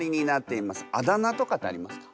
あだ名とかってありますか？